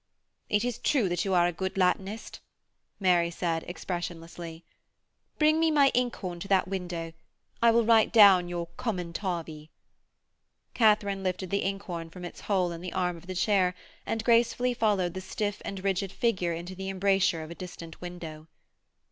'It is true that you are a good Latinist,' Mary said expressionlessly. 'Bring me my inkhorn to that window. I will write down your commentavi.' Katharine lifted the inkhorn from its hole in the arm of the chair and gracefully followed the stiff and rigid figure into the embrasure of a distant window.